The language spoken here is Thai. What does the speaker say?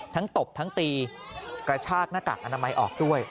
ตบทั้งตีกระชากหน้ากากอนามัยออกด้วย